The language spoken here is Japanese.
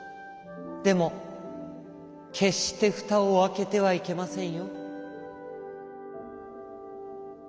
でもけっしてふたをあけてはいけませんよ」。